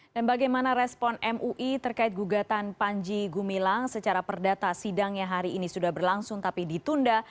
dan bagaimana respon mui terkait gugatan panji gumilang secara perdata sidang yang hari ini sudah berlangsung tapi ditunda